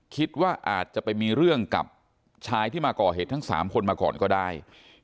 คิดว่าอาจจะไปมีเรื่องกับชายที่มาก่อเหตุทั้ง๓คนมาก่อนก็ได้